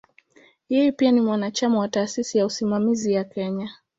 Yeye pia ni mwanachama wa "Taasisi ya Usimamizi ya Kenya".